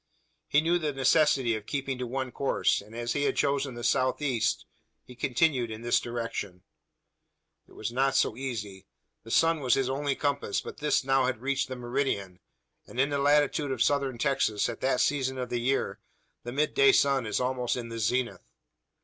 He knew the necessity of keeping to one course; and, as he had chosen the south east, he continued in this direction. It was not so easy. The sun was his only compass; but this had now reached the meridian, and, in the latitude of Southern Texas, at that season of the year, the midday sun is almost in the zenith.